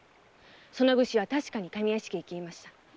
その武士は確かに上屋敷へ消えました。